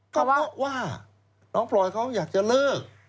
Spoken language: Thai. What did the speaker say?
ก็เพราะว่าน้องพลอยเขาอยากจะเลิก